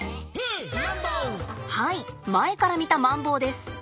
はい前から見たマンボウです。